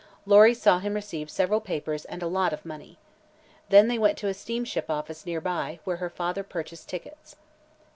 Lory saw him receive several papers and a lot of money. Then they went to a steamship office near by, where her father purchased tickets.